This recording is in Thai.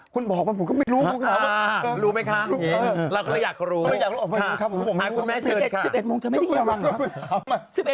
คุณบอกว่าผมก็ไม่รู้ครับ